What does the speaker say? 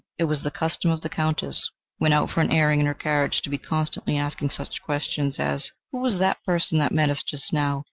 It was the custom of the Countess, when out for an airing in her carriage, to be constantly asking such questions as: "Who was that person that met us just now?